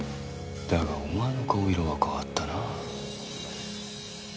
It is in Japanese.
だがお前の顔色は変わったな。